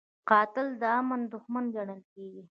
قاتل د امن دښمن ګڼل کېږي